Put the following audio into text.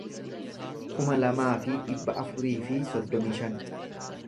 kuma lamaa fi dhibba afurii fi soddomii shan